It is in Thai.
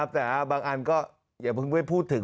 แต่บางอันก็อย่าเพิ่งไปพูดถึง